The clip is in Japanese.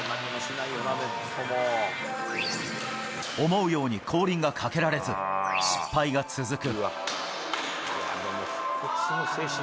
思うように後輪がかけられず、失敗が続く。